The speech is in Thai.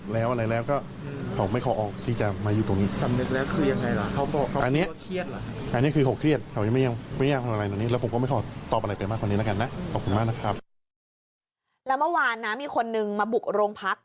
แล้วเมื่อวานนะมีคนนึงมาบุกโรงพัก